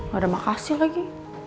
gak ada makasih lagi